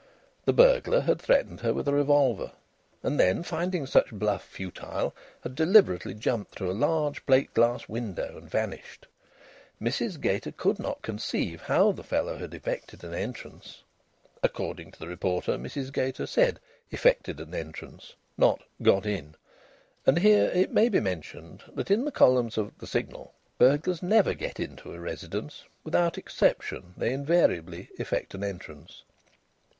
The burglar had threatened her with a revolver, and then, finding such bluff futile, had deliberately jumped through a large plate glass window and vanished. Mrs Gater could not conceive how the fellow had "effected an entrance." (According to the reporter, Mrs Gater said "effected an entrance," not "got in." And here it may be mentioned that in the columns of the Signal burglars never get into a residence; without exception they invariably effect an entrance.)